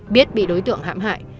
biết bị đối tượng hạm hại